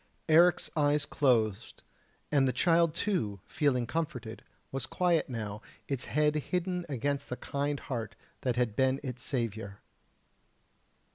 Eric's eyes closed, and the child too, feeling comforted, was quiet now, its head hidden against the kind heart that had been its saviour.